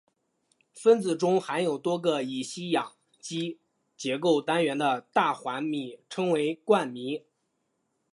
分子中含有多个乙烯氧基结构单元的大环醚称为冠醚。